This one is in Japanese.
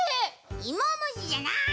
いもむしじゃない！